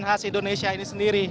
terima kasih indonesia ini sendiri